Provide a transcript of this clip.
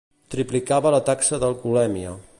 Triplicava la taxa d'alcoholèmia.